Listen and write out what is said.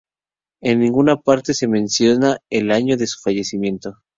En ninguna parte se menciona el año de su fallecimiento.